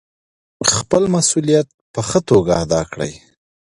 خپل مسوولیت په ښه توګه ادا کړئ.